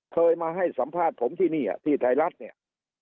เคยมาให้สัมภาษณ์ผมที่นี่ที่ไทยรัฐเนี่ย